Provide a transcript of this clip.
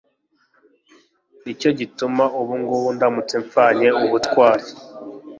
ni cyo gituma ubu ngubu ndamutse mpfanye ubutwari